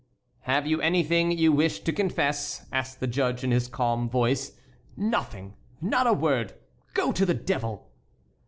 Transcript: "Have you anything you wish to confess?" asked the judge in his calm voice. "Nothing; not a word! Go to the devil!"